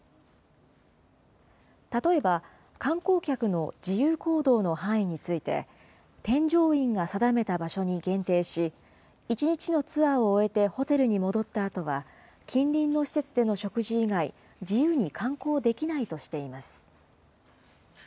例えば、観光客の自由行動の範囲について、添乗員が定めた場所に限定し、１日のツアーを終えてホテルに戻ったあとは、近隣の施設での食事以外、自由に観光できないとしています。